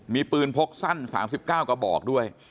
มีปืนพกสั้น๓๙กระบอกด้วย